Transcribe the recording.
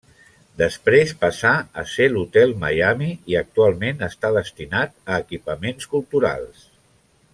Després passà a ser l'Hotel Miami i actualment està destinat a equipaments culturals.